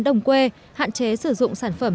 đồng quê hạn chế sử dụng sản phẩm